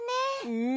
うん。